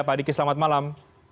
pak diki selamat malam